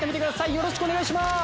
よろしくお願いします。